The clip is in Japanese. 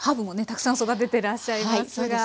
たくさん育ててらっしゃいますが。